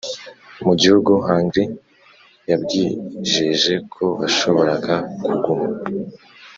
mu gihugu Hungr a yamwijeje ko bashoboraga kuguma